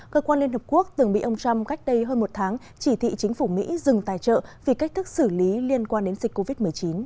cơ quan liên hợp quốc từng bị ông trump cách đây hơn một tháng chỉ thị chính phủ mỹ dừng tài trợ vì cách thức xử lý liên quan đến dịch covid một mươi chín